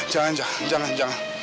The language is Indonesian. jangan jangan jangan